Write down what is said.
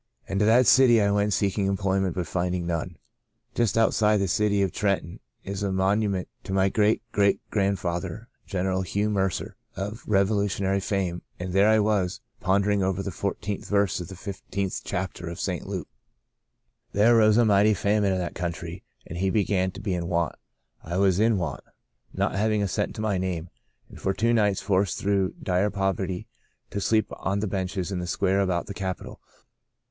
and to that city I went seeking employment but finding none. " Just outside the city of Trenton is a monu ment to my great great grandfather. General Hugh Mercer, of Revolutionary fame, and there I was, pondering over the fourteenth 158 By a Great Deliverance verse of the fifteenth chapter of St. Luke: * There arose a mighty famine in that coun try ; and he began to be in want/ I was in want, not having a cent to my name, and for two nights forced through dire poverty to sleep on the benches in the square about the capitol.